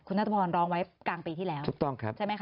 คุณนัทพรรณร้องไว้กลางปีที่แล้วใช่ไหมคะ